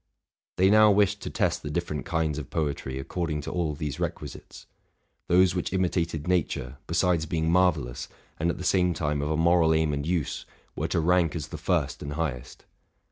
They now wished to test the different kinds of poetry according to all these requisites: those which imitated nature, besides being marvellous, and at the same time of a moral aim and use, were to rank as the first and highest.